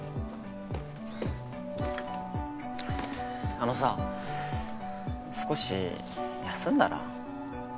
あのさ少し休んだら？